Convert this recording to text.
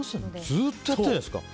ずっとやってるじゃないですか。